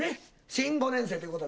「新５年生ということ。